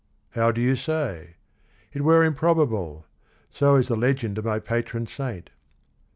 How do you say? It were improbable; So is the legend of my patron saint.